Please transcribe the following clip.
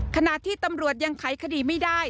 ขณะที่ตำรวจยังไขคดีไม่ได้